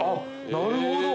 なるほど。